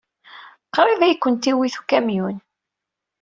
Qrib ay kent-iwit ukamyun.